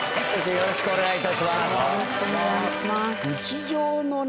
よろしくお願いします。